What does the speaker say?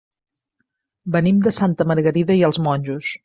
Venim de Santa Margarida i els Monjos.